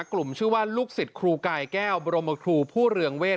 กลุ่มชื่อว่าลูกศิษย์ครูกายแก้วบรมครูผู้เรืองเวท